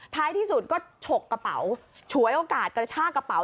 ท้ายที่สุดก็ฉกกระเป๋าฉวยโอกาสกระชากระเป๋า